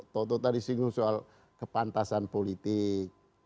toto tadi singgung soal kepantasan politik